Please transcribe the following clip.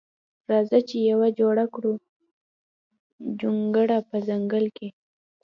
راځه چې یوه جوړه کړو جونګړه په ځنګل کښې